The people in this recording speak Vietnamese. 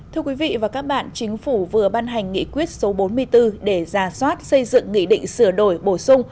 thưa quý vị và các bạn chính phủ vừa ban hành nghị quyết số bốn mươi bốn để ra soát xây dựng nghị định sửa đổi bổ sung